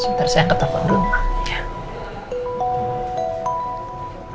sebentar saya ke toko dulu